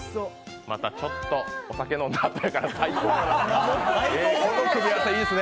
またちょっとお酒飲んだあとやから最高やね。